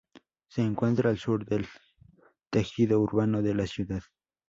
Se encuentra al sur del tejido urbano de la ciudad.